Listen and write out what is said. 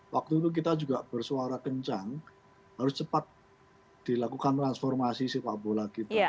waktu itu kita juga bersuara kencang harus cepat dilakukan transformasi sepak bola kita